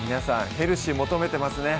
ヘルシー求めてますね